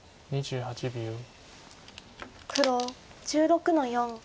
黒１６の四ノビ。